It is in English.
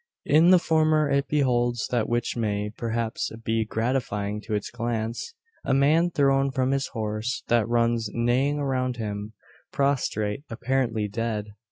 In the former it beholds that which may, perhaps, be gratifying to its glance a man thrown from his horse, that runs neighing around him prostrate apparently dead.